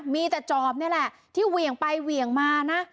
มีแต่จอบนี่แหละที่เหวี่ยงไปเหวี่ยงมานะ